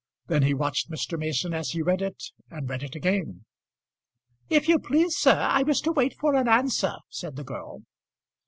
Then he watched Mr. Mason as he read it and read it again. "If you please, sir, I was to wait for an answer," said the girl.